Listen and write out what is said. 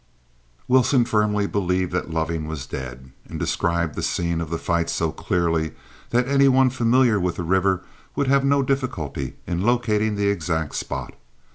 Wilson firmly believed that Loving was dead, and described the scene of the fight so clearly that any one familiar with the river would have no difficulty in locating the exact spot.